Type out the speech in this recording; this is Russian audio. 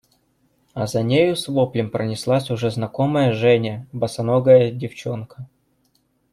А за нею с воплем пронеслась уже знакомая Жене босоногая девчонка.